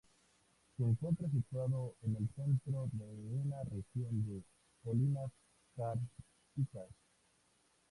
Se encuentra situado en el centro de una región de colinas kársticas.